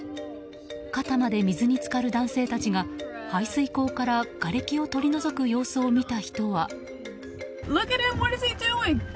肩まで水に浸かる男性たちが排水溝からがれきを取り除く様子を見た人は。